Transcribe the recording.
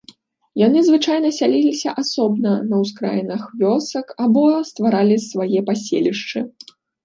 Яны звычайна сяліліся асобна на ўскраінах вёсак або стваралі свае паселішчы.